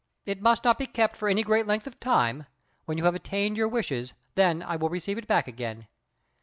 It must not be kept for any great length of time; when you have attained your wishes, then I will receive it back again."